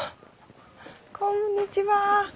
こんにちは。